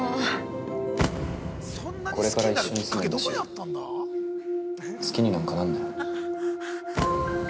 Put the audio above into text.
これから一緒に住むんだし好きになんかなんなよ。